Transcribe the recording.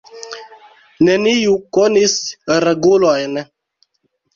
Neniu konis regulojn.